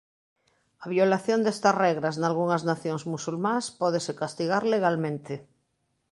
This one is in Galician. A violación destas regras nalgunhas nacións musulmás pódese castigar legalmente.